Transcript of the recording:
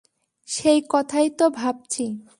সেই কথাই তো ভাবছি।